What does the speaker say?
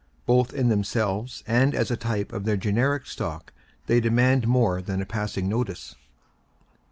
Both in themselves and as a type of their generic stock they demand more than a passing notice.